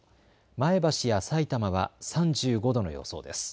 前橋やさいたまは３５度の予想です。